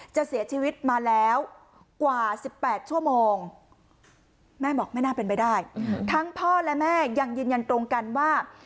เสียชีวิตมาแล้วกว่า๑๘ชั่วโมงแม่บอกไม่น่าเป็นไปได้ทั้งพ่อและแม่ยังยืนยันตรงกันว่า